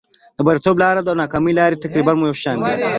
د بریالیتوب لاره او د ناکامۍ لاره تقریبا یو شان دي.